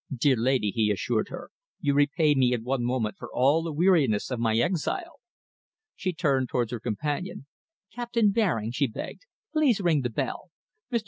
"Dear lady," he assured her, "you repay me in one moment for all the weariness of my exile." She turned towards her companion. "Captain Baring," she begged, "please ring the bell. Mr.